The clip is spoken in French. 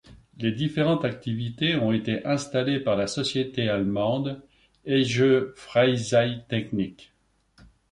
Les différentes activités ont été installées par la société allemande Heege Freizeittechnik.